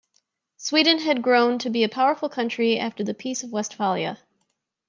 Sweden had grown to be a powerful country after the Peace of Westphalia.